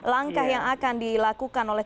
langkah yang akan dilakukan oleh